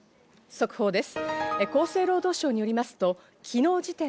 速報です。